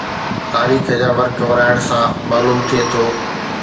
تاريخ جا ورق ورائڻ سان معلوم ٿئي ٿو